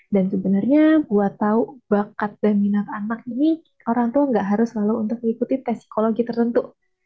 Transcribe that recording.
dan sebenarnya buat tahu bakat dan minat anak ini orang tua gak harus selalu untuk mengikuti tes psikologi tertentu